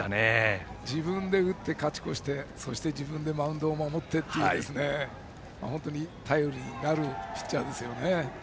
自分で打って勝ち越して自分でマウンドを守ってという頼りになるピッチャーですね。